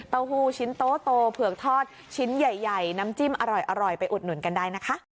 หูชิ้นโตเผือกทอดชิ้นใหญ่น้ำจิ้มอร่อยไปอุดหนุนกันได้นะคะ